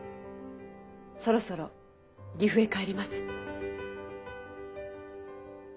そろそろ岐阜へ帰ります。